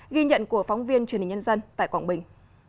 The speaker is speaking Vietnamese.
ghi nhận của phóng viên truyền hình nhân dân tại quảng bình